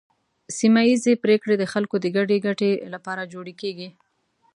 سیمه ایزې پریکړې د خلکو د ګډې ګټې لپاره جوړې کیږي.